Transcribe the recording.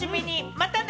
またね！